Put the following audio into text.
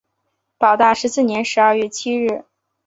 保大十四年十二月七日。